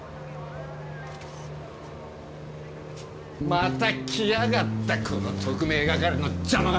また来やがったこの特命係のジャマ亀！